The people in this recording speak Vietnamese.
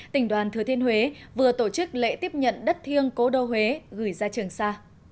tỉnh đoàn thừa thiên huế vừa tổ chức lễ tiếp nhận đất thiêng cố đô huế gửi ra trường sa